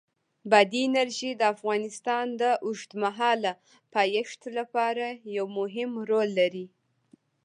بادي انرژي د افغانستان د اوږدمهاله پایښت لپاره یو مهم رول لري.